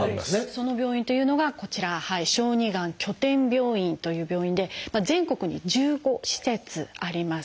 その病院というのがこちら「小児がん拠点病院」という病院で全国に１５施設あります。